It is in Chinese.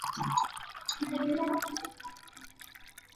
首府琴斯托霍瓦。